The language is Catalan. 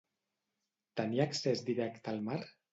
Tenia accés directe al mar?